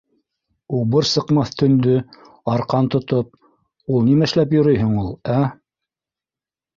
Убыр сыҡмаҫ төндө... арҡан тотоп... ул нимә эшләп йөрөйһөң ул, ә?!